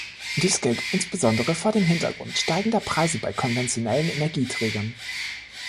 Dies gilt insbesondere vor dem Hintergrund steigender Preise bei konventionellen Energieträgern.